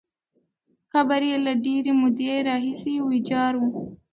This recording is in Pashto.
قبر یې له ډېرې مودې راهیسې ویجاړ وو.